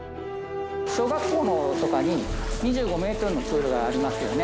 小学校とかに２５ｍのプールがありますよね？